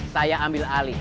saya ambil alih